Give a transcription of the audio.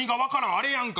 あれやんか。